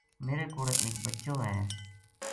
میرے کوڑے ایک بچو ہے‘‘